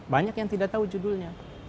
banyak yang tidak tahu judulnya